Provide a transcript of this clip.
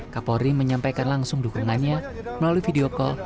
kapolri menyampaikan langsung dukungannya melalui video call